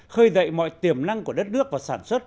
khơi dậy mọi tiềm năng của đất nước vào sản xuất